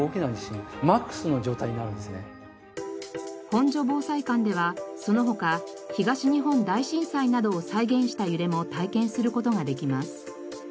本所防災館ではその他東日本大震災などを再現した揺れも体験する事ができます。